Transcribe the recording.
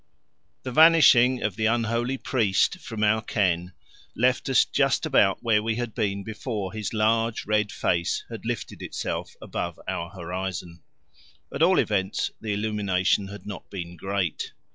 The vanishing of the unholy priest from our ken left us just about where we had been before his large red face had lifted itself above our horizon. At all events the illumination had not been great.